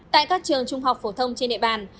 tại các trường trung học phổ thông trên địa bàn